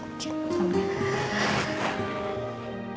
gitu kan kan